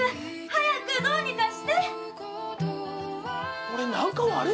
早くどうにかして！